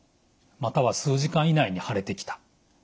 または数時間以内に腫れてきた。